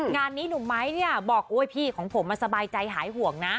งานนี้หนุ่มไม้เนี่ยบอกโอ๊ยพี่ของผมมันสบายใจหายห่วงนะ